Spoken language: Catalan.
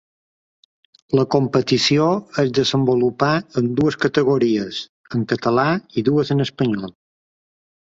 La competició es desenvolupà en dues categories en català i dues en espanyol.